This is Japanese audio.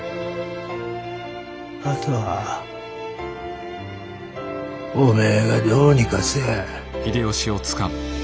あとはおめえがどうにかせえ。